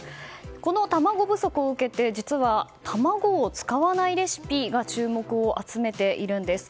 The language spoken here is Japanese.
この卵不足を受けて卵を使わないレシピが注目を集めています。